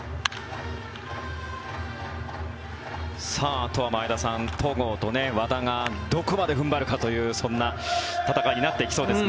あとは前田さん戸郷と和田がどこまで踏ん張るかというそんな戦いになっていきそうですね。